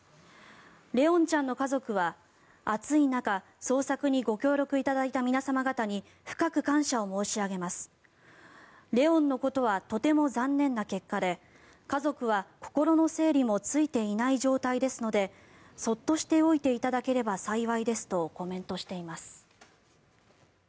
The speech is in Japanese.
怜音ちゃんの家族は暑い中捜索にご協力いただいた皆様方に深く感謝を申し上げます怜音のことはとても残念な結果で家族は心の整理もついていない状態ですのでそっとしておいていただければ幸いですとコメントしています。